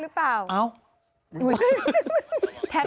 เมื่อคืนกลับบ้านหรือเปล่า